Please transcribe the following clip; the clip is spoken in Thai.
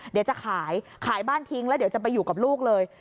เดี๋ยวจะขายขายบ้านทิ้งแล้วเดี๋ยวจะไปอยู่กับลูกเลย